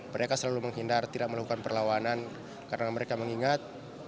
mereka selalu menghindar tidak melakukan perlawanan karena mereka mengingat